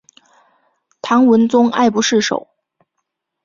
唐文宗爱不释手。